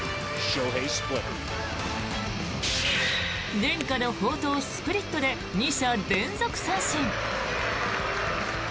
伝家の宝刀、スプリットで２者連続三振。